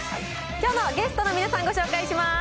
きょうのゲストの皆さん、ご紹介します。